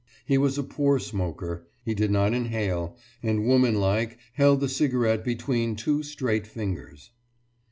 He was a poor smoker; he did not inhale, and womanlike held the cigarette between two straight fingers.